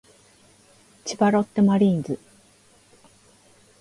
千葉ロッテマリーンズ